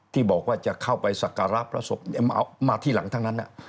ที่บอกว่าจะเข้าไปสักการะพระศพมาที่หลังทั้งนั้น